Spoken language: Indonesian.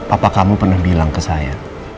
apa kamu pernah bilang ke saya